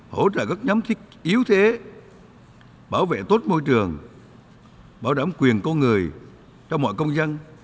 hỗ trợ các nhóm thiết yếu thế bảo vệ tốt môi trường bảo đảm quyền con người cho mọi công dân